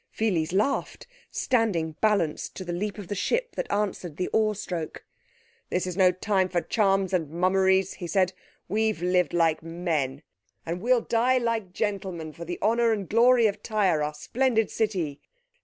Pheles laughed, standing balanced to the leap of the ship that answered the oarstroke. "This is no time for charms and mummeries," he said. "We've lived like men, and we'll die like gentlemen for the honour and glory of Tyre, our splendid city.